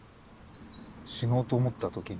死のうと思った時に？